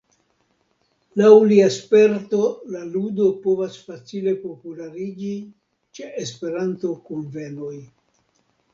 Laŭ lia sperto la ludo povas facile populariĝi ĉe Esperanto-kunvenoj.